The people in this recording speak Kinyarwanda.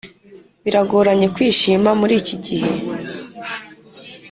Biragoranye kwishima muri iki gihe